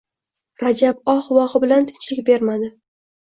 Rajab oh-vohi bilan tinchlik bermadi